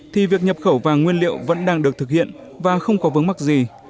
thì việc nhập khẩu vàng nguyên liệu vẫn đang được thực hiện và không có vướng mắc gì